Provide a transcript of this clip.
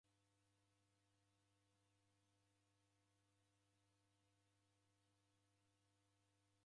W'andu w'engi ndew'erecheeghe malombi ghecheresha.